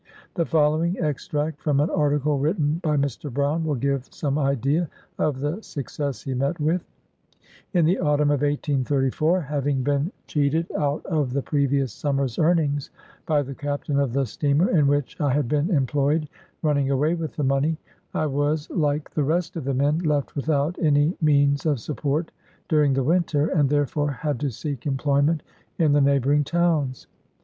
The following extract from an article written by Mr. Brown will give some idea of the suc cess he met with: —" In the autumn of 1834, having been cheated out of the previous summer's earnings by the captain of the steamer in which I had been em ployed running away with the money, I was, like the rest of the men, left without any means of support during the winter, and therefore had to seek employ ment in the neighboring towns.